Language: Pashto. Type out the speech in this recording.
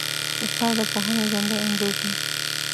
استاد د پوهنې ژوندی انځور دی.